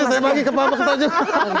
jadi saya bagi ke bapak ketujuh